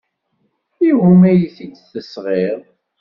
I wumi ay t-id-tesɣiḍ?